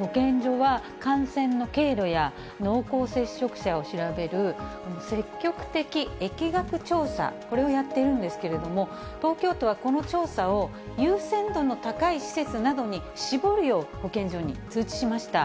保健所は、感染の経路や濃厚接触者を調べる積極的疫学調査、これをやっているんですけれども、東京都はこの調査を優先度の高い施設などに絞るよう、保健所に通知しました。